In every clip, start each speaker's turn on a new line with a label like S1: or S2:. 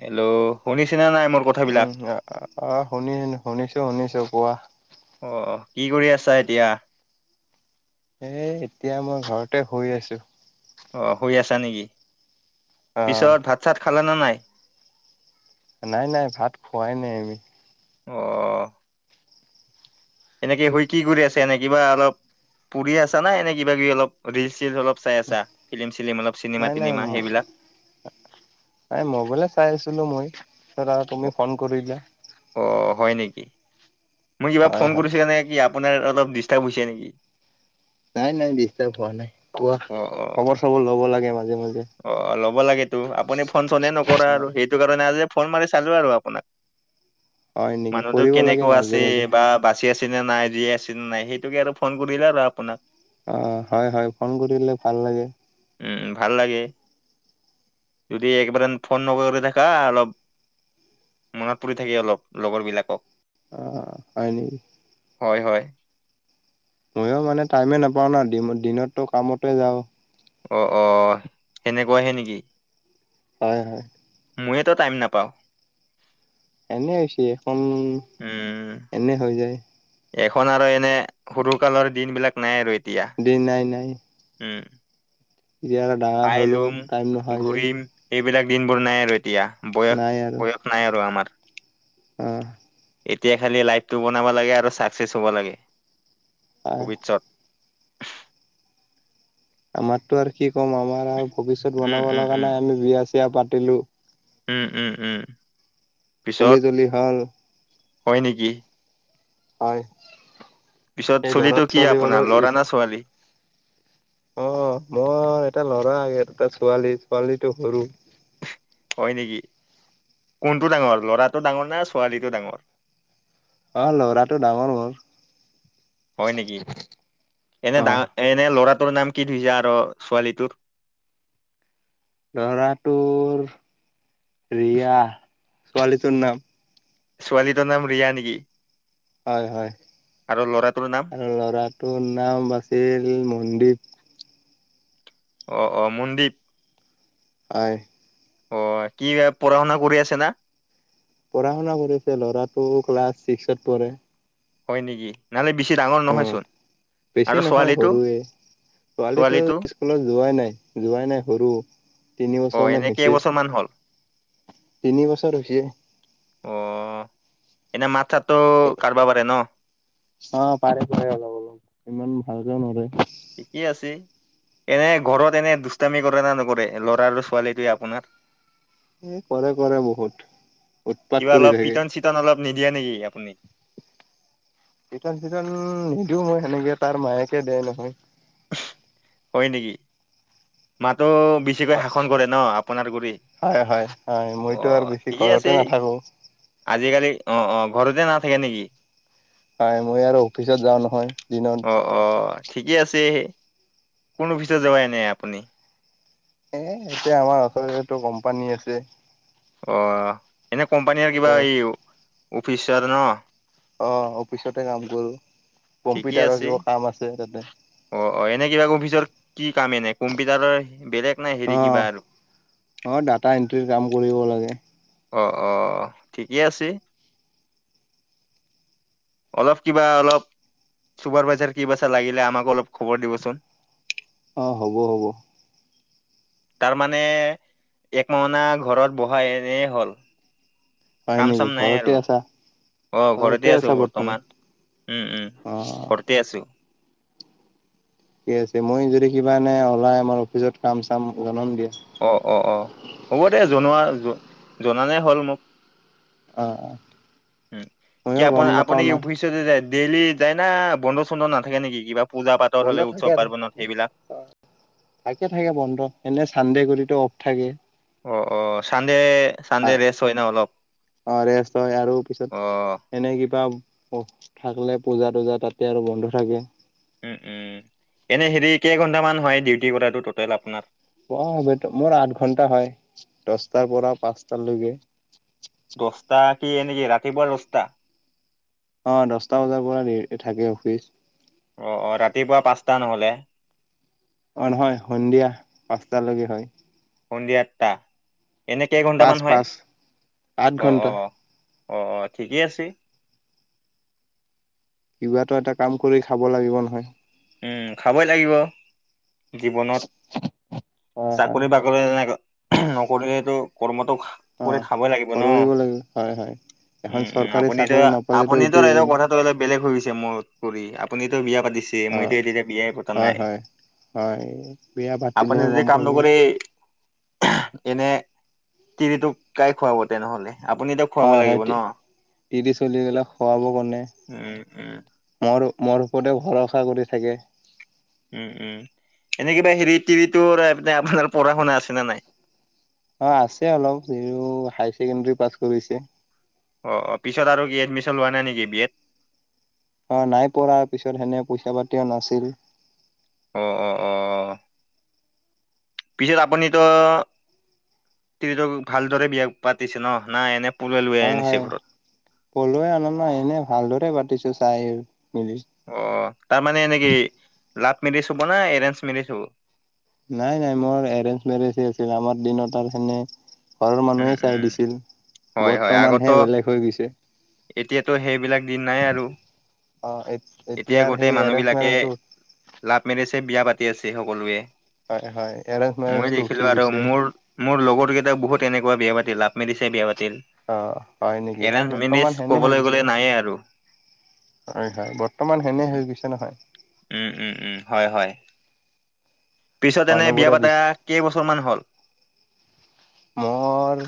S1: Hello শুনিছেনে নাই? মোৰ কথাবিলাক?
S2: উম অহ শুনি শু শুনিছো শুনিছো কোৱা।
S1: অ অ কি কৰি আছা এতিয়া?
S2: এই এতিয়া মই ঘৰতে শুই আছোঁ।
S1: অঁ শুই আছা নেকি?
S2: অ'
S1: পিছত ভাত চাত খালে নে নাই?
S2: নাই নাই ভাত খোৱাই নাই আমি।
S1: অ। এনেকে শুই কি কৰি আছে এনেই কিবা অলপ পৰি আছা না এনেই কিবা কিবি অলপ ৰিলছ চিলছ অলপ- চায় আছা। ফিলিম চিলিম অলপ চিনেমা তিনিমা সেইবিলাক।
S2: মবাইলে চায় আছিলো মই। তাৰপিছত আৰু তুমি ফোন কৰিলা।
S1: অ হয় নেকি মই কিবা
S2: হয়
S1: ফোন
S2: হয়
S1: কৰিছিল নে কি আপোনাৰ অলপ ডিষ্টাৰ্ব হৈছে নেকি?
S2: নাই নাই ডিষ্টাৰ্ব হোৱা নাই। কোৱা
S1: অ' অ'
S2: খবৰ চবৰ লব লাগে মাজে মাজে।
S1: অ ল'ব লাগেতো আপুনি ফোন চনে নকৰা আৰু।
S2: অ'।
S1: সেইটো কাৰণে আজি ফোন মাৰি চালো আৰু আপোনাক।
S2: হয় নেকি
S1: মানুহতো
S2: কৰিব লাগে
S1: কেনেকুৱা আছে
S2: মাজে মাজে।
S1: বা বাচি আছে নে নাই জীয়াই আছে নে নাই সেইটোকে আৰু ফোন কৰিলে আৰু আপোনাক।
S2: অ হয় হয় ফোন কৰিলে ভাল লাগে।
S1: উম ভাল লাগে যদি একবাৰ ফোন নকৰিলে এনেকা অলপ মনত পৰি থাকি অলপ লগৰবিলাকক।
S2: অ হয় নকি?
S1: হয় হয়।
S2: ময়ো মানে টাইমে নাপাও ন দিন দিনততো কামতে যাওঁ।
S1: অ অ সেনেকুৱাহে নেকি?
S2: হয় হয়।
S1: ময়েতো টাইম নাপাওঁ।
S2: এনে হৈছে এখন
S1: উম
S2: এনে হৈ যায়।
S1: এখন আৰু এনে সৰু কালৰ দিন বিলাক নাই আৰু। এতিয়া
S2: দিন‌ নাই নাই।
S1: উম
S2: এতিয়া আৰু ডাঙৰ
S1: খাই
S2: হ'লো
S1: লম
S2: টাইম নোহোৱা হৈ যায়।
S1: ঘূৰিম এইবিলাক দিনবোৰ নাই আৰু এতিয়া বয়স বয়স নাই আৰু আমাৰ।
S2: অহ।
S1: এতিয়া খালি লাইফটো বনাব লাগে আৰু ছাকচেছ হ'ব লাগে ভৱিষ্যত।
S2: আমাৰতো আৰু কি ক'ম আমাৰ আৰু ভৱিষ্যত
S1: উম
S2: বনাব
S1: উম
S2: লগা
S1: উম
S2: নাই আমি বিয়া চিয়া পাতিলো।
S1: উম উম উম।
S2: চলি
S1: পিছত
S2: তলি হ'ল।
S1: হয় নেকি?
S2: হয়।
S1: পিছত
S2: সেই ল'ৰা
S1: চলিতটো কি
S2: ছোৱালীবোৰক
S1: আপোনাৰ ল'ৰা না ছোৱালী?
S2: অ মোৰ এটা ল'ৰা আৰু এটা ছোৱালী, ছোৱালীটো সৰু।
S1: হয় নেকি? কোনটো ডাঙৰ ল'ৰাটো ডাঙৰ না ছোৱালীটো ডাঙৰ?
S2: অ লৰাটো ডাঙৰ হ'ল।
S1: হয় নেকি এনে
S2: অ
S1: ডাঙ এনে ল'ৰা তোৰ নাম কি থৈছা আৰু ছোৱালীটোৰ?
S2: লৰাটোৰ ৰিয়া ছোৱালীটোৰ নাম।
S1: ছোৱালীটোৰ নাম ৰিয়া নেকি?
S2: হয় হয়
S1: আৰু ল'ৰাটোৰ নাম?
S2: আৰু ল'ৰাটোৰ নাম আছিল মনদীপ।
S1: অ অ মনদ্বীপ।
S2: হয়।
S1: অ কি পঢ়া শুনা কৰি আছে না?
S2: পঢ়া শুনা কৰিছে ল'ৰাটোটো ক্লাছ ছিক্সত পঢ়
S1: হয় নেকি নহলে বেছি ডাঙৰ নহয় চোন
S2: বেছি নহয় সৰুৱে ছোৱালীটো স্কুলত যোৱাই নাই যোৱাই নাই সৰু তিনি
S1: অ',
S2: বছৰ
S1: এনে
S2: মান হৈছে
S1: কেইবছৰ মান হ'ল?
S2: তিনি বছৰ হৈছে
S1: অ এনে মাথা
S2: অ পাৰে পাৰে অলপ অলপ ইমান ভালকেও নৰে
S1: ঠিকেই আছে এনে ঘৰত এনে দুষ্টামি কৰে ন নকৰে ল'ৰা আৰু ছোৱালীটোৱে আপোনাৰ
S2: এ কৰে কৰে বহুত উৎপাত কৰি থাকে
S1: দিয়া নেকি আপুনি
S2: ইতন চিতন নিদিওঁ মই সেনেকে তাৰ মায়েকে দেই নহয়
S1: হয়নেকি মাক নিচিনা শাসন কৰে ন আপোনাৰ কৰি
S2: হয় হয় হয়
S1: অ
S2: মইতো আৰু বেছি
S1: ঠিকে
S2: ঘৰতে
S1: আছে এই
S2: নাথাকো
S1: আজিকালি অ অ ঘৰতে নাথাকে নেকি
S2: হয় মই আৰু অফিচত যাওঁ নহয় দিনত
S1: অ অ ঠিকে আছে কোন অফিচত যাবাই এনে আপুনি
S2: এ এতিয়া আমাৰ ওচৰতে কোম্পানী আছে
S1: অ এনে কোম্পানীৰ কিবা
S2: তাতে
S1: এই অফিচাৰ ন
S2: অ অফিচতে কাম কৰো
S1: ঠিকেই
S2: কম্পিউটাৰৰ
S1: আছে
S2: কিবা কাম আছে তাতে
S1: অ অ এনে কিবা অফিচৰ কি কাম এনে কম্পিউটাৰৰ বেলেগ নাই হেৰি
S2: অ
S1: কিবা আৰু?
S2: অ ডাটা এন্ট্ৰি কাম কৰিব লাগে
S1: আহ আহ ঠিকেই আছে অলপ কিবা অলপ চুপাৰ ভাইজাৰ ক বাাচা লাগিলে আমাকো অলপ খবৰ দিবচোন
S2: অঁ হ'ব হ'ব
S1: তাৰমানানে এক মাহনা ঘৰত বহাই এনেই হ'ল
S2: হয়
S1: কাম
S2: নেকি
S1: চাম নাই আৰু
S2: ঘৰতে আছা
S1: অ ঘৰতে আছো বৰ্তমান উম উম
S2: অ।
S1: ঘৰতে আছো
S2: ক আছে মই যদি কিবা এনে ওলাই আমাৰ অফিচত কাম চাম জনন দিয়া
S1: অ অ অ হ'ব দে জনোৱা জনালে হ'ল মোক
S2: অ অ।
S1: কি
S2: ময়ো
S1: আ
S2: গম
S1: আপনি
S2: নাপাও না
S1: ভষ্যত জাইনেকি ডেইলি যায় না বন্ধ চন্ধ নাথাকে নেকি কিবা পূজা পাতল
S2: বন্ধ
S1: হলে
S2: থাকে
S1: উৎসৱ
S2: আৰু
S1: পাৰ্বনত সেইবিলাক
S2: থাকে থাকে বন্ধ এনে চানডে গ অফ থাকে
S1: অ অ চানডে চানডে ৰেষ্ট হয় ন অলপ
S2: অ ৰেষ্ট হয় আৰু
S1: অ
S2: পিছত এনে কিবা অ থাকিলে পূজা টজা তাতে আৰু বন্ধ থাকে
S1: উম উম এনে হেৰি কেইঘন্টামান হয় ডিউটি কৰাটো টটেল আপোনাৰ
S2: অ মোৰ আঠ ঘন্টা হয় দহটাৰ পৰা পাঁচটালৈকে
S1: দছটা কি নেকি ৰাতিপুৱা দছটা
S2: অ দহটা বজাৰ পৰা থাকে অফিচ
S1: অ অ ৰাতিপুৱা পাঁচটা নহলে
S2: অ নহয় সন্ধিয়া পাঁচটালৈকে হয়
S1: সন্ধিয়া আঠটা এনে কেই
S2: পাঁচ
S1: ঘন্টামান হয়
S2: পাঁচ আঠ
S1: অ অ
S2: ঘন্টা
S1: অ আহ ঠিকেই আছে
S2: কিবাতো এটা কাম কৰি খাব লাগিব নহয়
S1: উম খাবই লাগিব জীৱনত
S2: হয় হয়
S1: চাকৰি বাকৰি এনে নকৰিলে কৰ্ম ত
S2: অ
S1: কৰি খাব লাগিব ন
S2: কৰিব লাগিব হয় হয় এখন
S1: উম উম
S2: চৰকাৰী
S1: আপুনিতো
S2: চাকৰি নাপালেতো
S1: আপুনিতো
S2: এইটো এই
S1: এনেও কথাটো অলপ বেলেগ হৈ গৈছে মনত পৰি আপুনিতো বিয়া পাতি
S2: অ
S1: মইতো এতিয়া বিয়াই পতা
S2: হয়
S1: নাই।
S2: হয় হয় বিয়া
S1: আপুনি
S2: পাতিলেহে
S1: যদি
S2: গম
S1: কাম
S2: পাব।
S1: নকৰি এনে তিৰিটোক গাই খুৱাব তেনেহ'লে আপুনি তাক খুৱাব
S2: হয় হয়
S1: লাগিব নহ।
S2: তিৰি চলি গেলাক খুৱাব কাৰণে
S1: উম উম
S2: মোৰ মোৰ ওপৰতে ভৰসা কৰি থাকে।
S1: উম উম এনে কিবা হেৰি টিভিটো আপোনাৰ পঢ়া শুনা আছে নে নাই
S2: অ আছে অলপ যিটো হাই ছেকেণ্ডাৰী পাছ কৰিছে।
S1: অ পিছত আৰু কি এডমিচন লোৱা নাই নেকি বিয়েত
S2: অ নাই পঢ়াৰ পিছত সেনে পইচা পাতিও নাছিল।
S1: অ অ অ- পিছত আপুনিতো ভালদৰে বিয়া পাতিছে ন নাই এনে- পলুৱাই লৈ
S2: হয়
S1: আনিছে
S2: হয়
S1: ঘৰত?
S2: পলুৱাই আন নাই এনে ভালদৰে পাতিছোঁ চাই- মিলি
S1: অ তাৰ মানে নেকি লাভ এৰিঞ্চ হব নে এৰেঞ্চ মেৰিজ হব।
S2: নাই নাই মোৰ এৰেঞ্জ মেৰেজ এহ আছিল আমাৰ দিনত আৰু সেনে ঘৰৰ মানুহে
S1: উম উম
S2: চাই দিছিল
S1: হয় হয় আগতো
S2: বৰ্তমানহে বেলেগ হৈ গৈছে।
S1: এতিয়াতো সেইবিলাক দিন নাই আৰু
S2: অ
S1: এতিয়া
S2: এতিয়াৰ
S1: গোটেই
S2: সেই এৰেঞ্জ
S1: মানুহবিলাকে
S2: মেৰেজটো
S1: লাভমেৰিজয়ে বিয়া পাতি পাতি আছে সকলোৱে
S2: হয় হয় এৰেঞ্জ
S1: মই
S2: মেৰেজটো উঠি
S1: দেখিলোঁ আৰু
S2: গৈছে
S1: মোৰ মোৰ লগৰ কেইটাক বহুত তেনেকুৱা বিয়া পাতি লাভ মেৰিচ এহ বিয়া পাতি
S2: অ হয় নেকি বৰ্তমান হেনে হৈ
S1: ক'বলৈ গ'লে
S2: গৈছে।
S1: নায়ে আৰু।
S2: হয় হয় বৰ্তমান হেনে হৈ গৈছে নহয়।
S1: উম উম উম হয় হয়। পিছত এনে বিয়া
S2: মানুহবোৰে
S1: পাতা
S2: বিচাৰে
S1: কেইবছৰমান হ'ল।
S2: মোৰ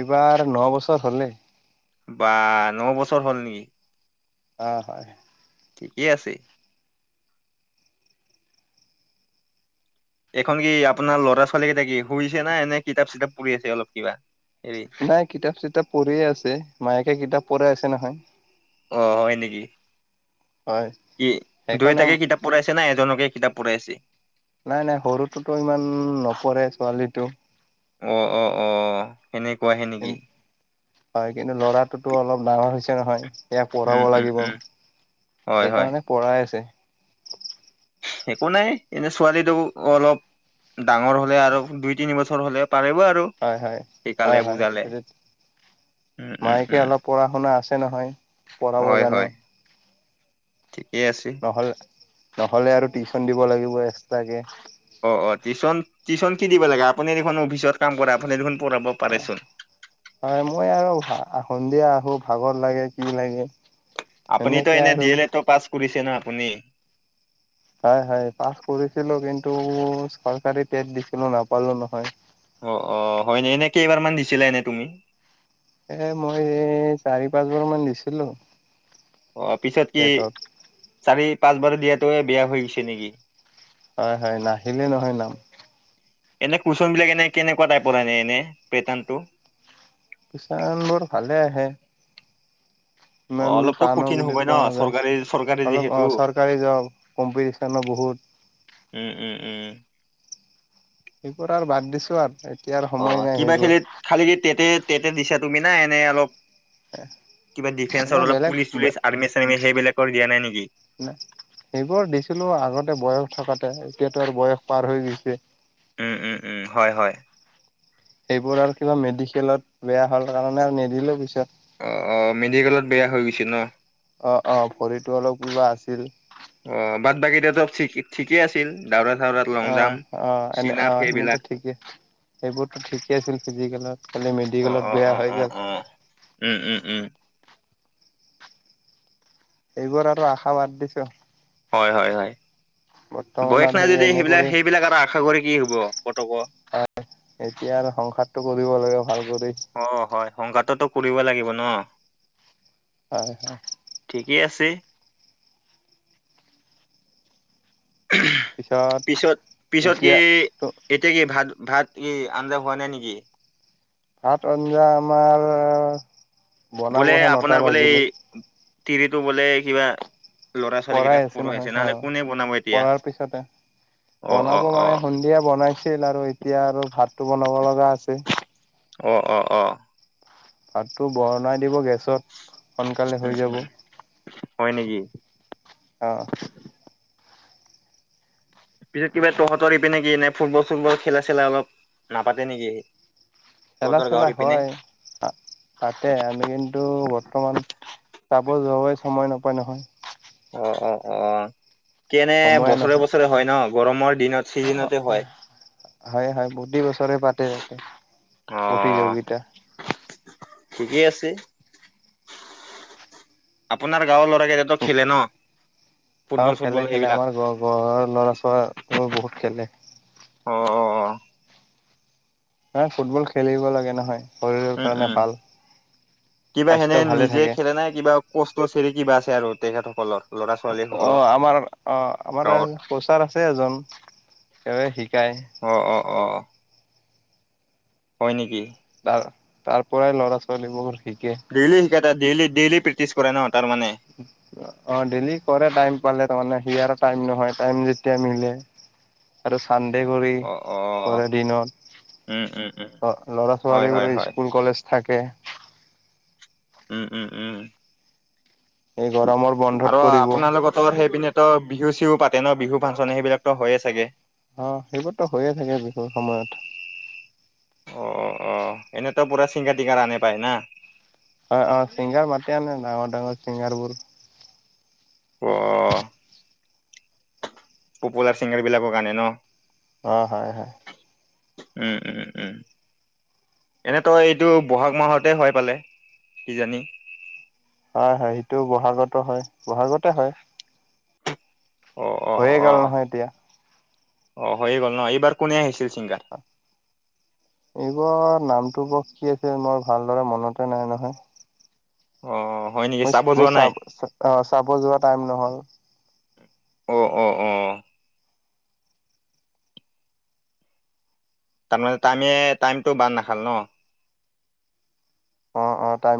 S2: এইবাৰ ন বছৰ হ'লে
S1: বাহ ন বছৰ হ'ল নেকি
S2: অ হয়।
S1: ঠিকেই আছে। এখন কি আপোনাৰ লৰা ছোৱালী কেইটা শুইছে না এনে কিতাপ চিতাপ পৰি আছে অলপ কিবা। হেৰি
S2: নাই কিতাপ চিতাপ পঢ়িয়ে আছে মায়েকে কিতাপ পঢ়াই আছে নহয়।
S1: অ হয় নেকি
S2: হয়
S1: কি
S2: সেইকাৰণে
S1: দুয়োটাকে কিতাপ পঢ়াইছে না এজনকে কিতাপ পঢ়াই আছে।
S2: নাই নাই সৰুটোতো ইমান নপৰে ছোৱালীটো
S1: অহ অহ অহ
S2: কিন হয় কিন্তু ল'ৰাটোতো অলপ ডাঙৰ হৈছে নহয়। ইয়াক
S1: উম,
S2: পঢ়াব
S1: উম,
S2: লাগিব
S1: উম, হয়, হয়।
S2: সেইকাৰণে পঢ়াই আছে।
S1: একো নাই এনে ছোৱালীটো অলপ ডাঙৰ হলে আৰু দুই তিনি বছৰ হলে পাৰিব আৰু
S2: হয় হয় হয়
S1: শিকালে
S2: হয়
S1: বুজালে উম, উম,
S2: মায়েকে
S1: উম।
S2: অলপ পঢ়া শুনা আছে নহয় পঢ়াব
S1: হয়
S2: জানে।
S1: হয় ঠিকেই আছে।
S2: নহ'লে নহ'লে আৰু টিউচন দিব লাগিব এক্সট্ৰাকে।
S1: অ অ টিউচন টিউচন কি দিব লাগে আপুনি দেখোন অফিচত কাম কৰে আপুনি দেখোন পঢ়াব
S2: অ
S1: পাৰেচোন
S2: হয় মই আৰু সন্ধিয়া আহোঁ। ভাগৰ লাগে কি লাগে।
S1: আপুনিতো
S2: সেনেকে
S1: এনে
S2: আৰু
S1: ডি এল এডটো পাছ কৰিছে ন আপুনি
S2: হয় হয় পাছ কৰিছিলো কিন্তু চৰকাৰী টেট দিছিলো নাপালো নহয়।
S1: অ অ হয়নে এনে কেইবাৰমান দিছিলা এনে তুমি
S2: এ মই এই চাৰি পাঁচ বাৰ মান দিছিলোঁ।
S1: অ পিছত কি চাৰি পাঁচ বাৰ দিয়াতোয়ে বেয়া হৈ গৈছে নেকি?
S2: হয় হয় নাহিলে নহয় নাম
S1: এনে কুৱচন বিলাক এনে কেনেকুৱা টাইপৰ আনে এনে পেটাৰ্টো
S2: কিছাণ বোৰ ভালে আহে
S1: অ
S2: ইমান
S1: অলপতো
S2: টানো
S1: কঠিন
S2: বুলি
S1: হব
S2: কোৱা
S1: ন
S2: নাযায়
S1: চৰকাৰী চৰকাৰী
S2: অলপ অ
S1: যিহেতু
S2: চৰকাৰী জব কম্পিটিচনো বহুত
S1: উম উম উম
S2: সব আৰু বাদ দিছো আৰু এতিয়া আৰু
S1: অ
S2: সময় নাই
S1: কিবা
S2: সেইবোৰ
S1: খেলি খালি তেতে তেতে দিছা তুমি না এনেই অলপ কিবা
S2: এনে
S1: ডিফেন্সৰ অলপ
S2: বেলেগ
S1: পুলিচ চুলিচ আৰ্মি চাৰমি সেইবিলাকৰ দিয়া নাই নেকি
S2: সেইবোৰ দিছিলো আগতে বয়স থকাতে এতিয়াতো আৰু বয়স পাৰ হৈ গৈছে
S1: উম উম উম হয় হয়
S2: সেইবোৰ আৰু কিবা মেডিকেলত বেয়া হল কাৰণে আৰু নিদিলো পিছত
S1: অ অ মেডিকেলত বেয়া হৈ গৈছে ন
S2: অ অ ভৰিতটো অলপ কা আছিল
S1: অ বাদ বাকী টো চপ ঠিকে ঠিকেই আছিল দাউৰা চাউৰাত লং
S2: আহ
S1: জাম্প
S2: আহ এনে
S1: চিন আপ
S2: আহ এনেতো
S1: সেইবিলাক
S2: ঠিক। সেইবোৰতো ঠিকেই আছিল ফিজিকেলত খালি
S1: অ
S2: মেডিকেলত
S1: অ
S2: বেয়া
S1: অ
S2: হৈ
S1: অ
S2: গল
S1: অ উম উম উম।
S2: এইবোৰ আৰু আশা বাদ দিছো।
S1: হয় হয় হয় বয়স
S2: বৰ্তমানৰ
S1: নাই
S2: সেই
S1: যদি
S2: এনে
S1: সেইবিলাক
S2: কৰি
S1: সেইবিলাক এটা আশা কৰি কি হব। কতক
S2: হয় এতিয়া আৰু সংসাৰটো কৰিব লাগে ভাল কৰি।
S1: অ হয় সংঘাততো কৰিব লাগিব ন।
S2: হয় হয়।
S1: ঠিকেই আছে। পিছত পিছত কি
S2: এতিয়া
S1: এতিয়া কি ভাত ভাত। কি আধা হোৱা নাই নেকি।
S2: ভাত আঞ্জা আমাৰ।
S1: বোলে
S2: বনাবহে নটা
S1: আপোনাৰ বোলে
S2: বাজিলে
S1: এই তিৰিটো বোলে কিবা। ল'ৰা ছোৱালী
S2: পঢ়াই
S1: কেইটাক
S2: আছে নহয়
S1: পৰিছে নহলে
S2: অ',
S1: কোনে বনাব এতিয়া।
S2: পঢ়াৰ পিছতে
S1: অ অ
S2: বনাব মানে
S1: অ
S2: সন্ধিয়া বনাইছিল আৰু এতিয়া আৰু ভাতটো বনাব লগা আছে।
S1: অ অ অ।
S2: ভাতটো বনাই দিব গেছত সোনকালে হৈ
S1: উম,
S2: যাব।
S1: উম, হয় নেকি?
S2: অ।
S1: পিছত কিবা তহঁতৰৰি পি নেকি এনেই ফুটবল চুটবল খেলা চেলা অলপ নাপাতে নেকি।
S2: চেলা
S1: তহঁতৰ
S2: চেলা
S1: গাঁৱৰ ইপিনে?
S2: হয় তাতে আমি কিন্তু বৰ্তমান। যাব যোৱাই সময় নাপায় নহয়।
S1: অ অ অ কেনে বছৰে বছৰে হয় ন গৰমৰ। দিনত
S2: অ অ
S1: চিজনতে হয়।
S2: হয় হয় বহি বছৰে পাতে তাতে। প্ৰতিযোগিতা।
S1: থিকেই আছে। আপোনাৰ গাঁৱৰ ল'ৰাৰাক এতিাতো খেলে ন।
S2: অ
S1: ফুটবল
S2: খেলে
S1: চুটবল
S2: খেলে
S1: এইবিলাক?
S2: আমাৰ ঘৰৰ লৰা ছাল বহুত খেলে।
S1: অ অ অ।
S2: ন ফুটবল খেলিব লাগে নহয়। শৰীৰৰ
S1: উম
S2: কাৰণে
S1: উম
S2: ভাল
S1: কিবা সেনে
S2: স্বাস্থ্য ভালে
S1: নিজে
S2: থাকে।
S1: খেলে নাই কিবা কষ্ট চেৰি কিবা আছে। আৰু তেখেতসকলৰ। ল'ৰা ছোৱালী
S2: অ
S1: সকলৰ?
S2: আমাৰ অ আমাৰ
S1: গাঁৱত
S2: শৌচাৰ আছে এজন। কেব শিকায়।
S1: অ', অ', অ। হয় নেকি।
S2: তাৰ তাৰ পৰাই ল'ৰা ছোৱালীবোৰ শিকে।
S1: টা ড ডেইেলি ডেইেলি প্ৰেকটিছ
S2: অ ডেলি কৰে টাইম পালে তাৰ মানে সি আৰু। টাইম নহয় টাইম যেতিয়া মিলে। সান্দে কৰি
S1: অ অ
S2: প দিনত।
S1: উম উম উম
S2: [inaudible] অ ল'ৰা
S1: হয় হয়
S2: ছোৱালীবোৰো
S1: হয়
S2: স্কুল কলেজ থাকে।
S1: উম উম উম।
S2: এই গৰমৰ বন্ধত
S1: আৰু
S2: কৰিব
S1: আপোনালোক তো সেইপিনে ত বিহু চিহু পাতে ন বিহু ফাংচন সেইবিলাক ত হয় চাগে।
S2: অ সেইবোৰতো হৈয়ে থাকে বিহুৰ সময়ত।
S1: অ অ এনেতো পুৰা চিংগা তিঙা আনে পায় না।
S2: অ অ চিংগাৰ মাতি আনে ডাঙৰ ডাঙৰ ছিংগাৰ বোৰ।
S1: অহ। পপুলাৰ ছিংগাৰ বিলাকো আনে ন।
S2: অ হয় হয়।
S1: উম উম উম। এনে তই এইটো বহাগ মাহতে হয় পালে, কি জানি?
S2: হয় হয় সেইটো বহাগতো হয় বহাগতে হয়।
S1: অ অঁ
S2: হৈয়ে গ'ল
S1: অঁ।
S2: নহয় এতিয়া
S1: অ হৈয়ে গ'ল ন এইবাৰ কোনে আহিছিল ছিংগাৰ?
S2: এইবাৰ নামটো বৰ কি আছিল মই ভালদৰে মনতে নাই নহয়।
S1: অ। হয় নেকি
S2: মই
S1: চাব
S2: মই
S1: যোৱা
S2: চ
S1: নাই
S2: অ চাব যোৱা টাইম নহল।
S1: অ অ অ। তাৰমানে টাইমে টাইমটো বান নাখাল ন?
S2: অ অ তাই